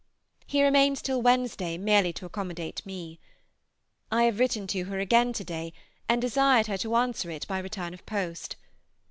He remains till Wednesday merely to accommodate me. I have written to her again to day, and desired her to answer it by return of post.